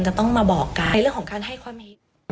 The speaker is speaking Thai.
จะต้องมาบอกกันในเรื่องของการให้ความเห็น